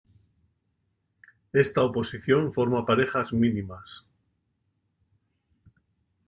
Esta oposición forma parejas mínimas.